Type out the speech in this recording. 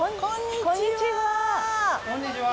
こんにちは！